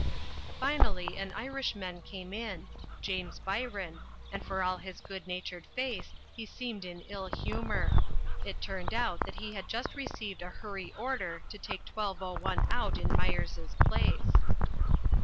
Finally an Irishman came in, James Byron, and for all his good natured face he seemed in ill humor. It turned out that he had just received a hurry order to take 1201 out in Myers's place.